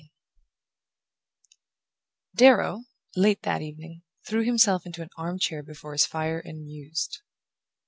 XIII Darrow, late that evening, threw himself into an armchair before his fire and mused.